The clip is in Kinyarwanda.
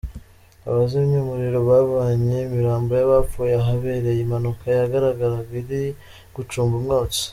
Abazimya umuriro bavanye imirambo y'abaapfuye ahabereye impanuka yanagaragaraga iri gucumba umwotsi.